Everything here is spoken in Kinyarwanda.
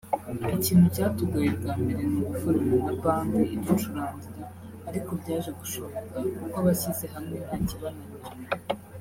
Ikintu cyatugoye bwa mbere ni ugukorana na Band iducurangira ariko byaje gushoboka kuko abashyize hamwe nta kibananira